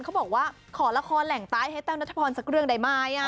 เขาบอกว่าขอละครแหล่งใต้ให้แต้วนัทพรสักเรื่องได้ไหม